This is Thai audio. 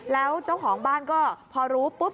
แล้วเจ้าของบ้านก็พอรู้ปุ๊บ